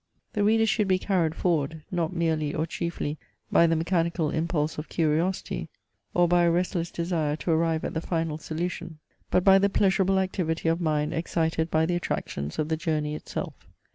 The reader should be carried forward, not merely or chiefly by the mechanical impulse of curiosity, or by a restless desire to arrive at the final solution; but by the pleasureable activity of mind excited by the attractions of the journey itself.